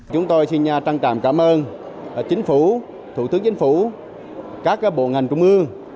chúng tôi xin trân trọng cảm ơn chính phủ thủ tướng chính phủ các bộ ngành trung ương